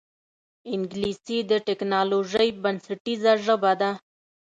انګلیسي د ټکنالوجۍ بنسټیزه ژبه ده